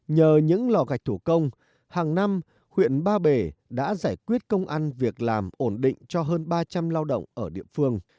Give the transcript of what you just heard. nhờ những lò gạch thủ công hàng năm huyện ba bể đã giải quyết công ăn việc làm ổn định cho hơn ba trăm linh lao động ở địa phương